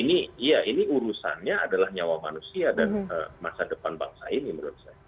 ini urusannya adalah nyawa manusia dan masa depan bangsa ini menurut saya